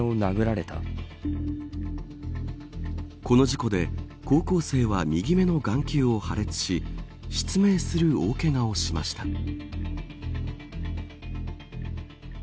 この事故で高校生は右目の眼球を破裂し失明する大けがをしました。